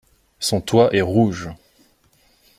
Son toit est rouge.